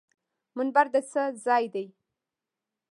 منبر د څه ځای دی؟